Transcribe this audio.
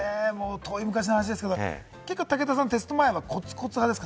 遠い昔の話ですけれども、武田さん、テスト前はコツコツ派ですか？